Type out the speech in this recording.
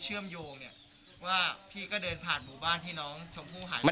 เชื่อมโยงเนี่ยว่าพี่ก็เดินผ่านหมู่บ้านที่น้องชมพู่หาย